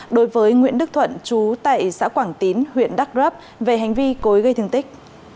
đối với nguyễn đức thuận chú tại xã quảng tín huyện đắk rấp về hành vi cối gây thương tích